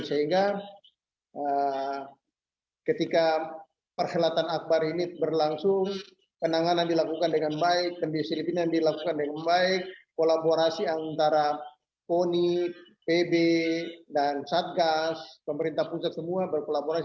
sehingga ketika perhelatan akbar ini berlangsung penanganan dilakukan dengan baik pendisiplinan dilakukan dengan baik kolaborasi antara poni pb dan satgas pemerintah pusat semua berkolaborasi